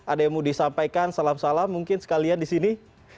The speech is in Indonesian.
ada yang mau disampaikan salam salam mungkin sekalian di sini